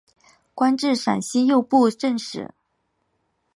官至陕西右布政使。